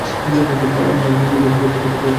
আপনা-আপনি যদি এসে পড়ে, তবে তাতে প্রভুরই জয়জয়কার।